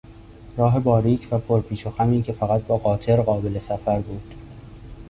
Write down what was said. راه باریک و پرپیچ و خمی که فقط با قاطر قابل سفر بود